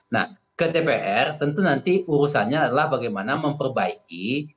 nah ke dpr tentu nanti urusannya adalah bagaimana memperbaiki